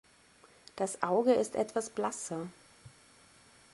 Das Auge ist etwas blasser.